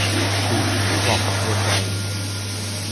สีผิวเหมาะกับโทนใด